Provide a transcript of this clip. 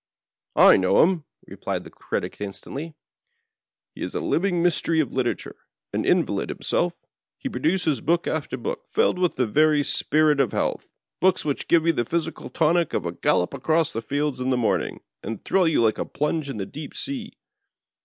"I know him," replied the Critic instantly. "He is » living mystery of literature. An invalid himself, he Digitized by VjOOQIC 10 ON BOARD THE ''BAVARIA.'' prodacoB book after book filled with the very spirit of health, books which give you the physical tonic of a gallop across the fields in the morning, and thrill you like a plunge in the deep sea.